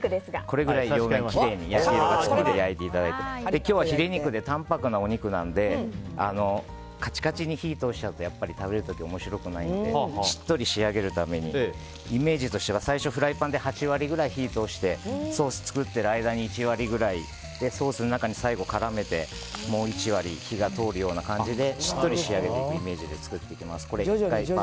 これぐらい両面をきれいに焼き色がつくまで焼いて今日はヒレ肉で淡泊なお肉なのでカチカチに火を通しちゃうと食べる時面白くないのでしっとり仕上げるためにイメージとしては最初フライパンで８割ぐらい火を通してソースを作っている間に１割ぐらいソースの中に最後絡めてもう１割火が通る感じでしっとり仕上げていくイメージで作ります。